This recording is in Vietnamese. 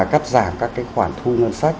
cắt giảm các cái khoản thu ngân sách